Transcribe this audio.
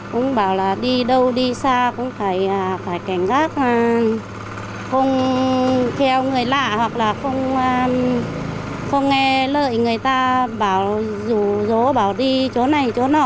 cũng bảo là đi đâu đi xa cũng phải cảnh gác không kheo người lạ hoặc là không nghe lời người ta bảo dù dố bảo đi chỗ này chỗ nọ